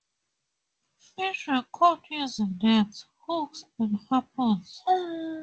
Fish were caught using nets, hooks and harpoons.